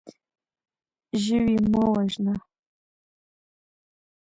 ژوی مه وژنه.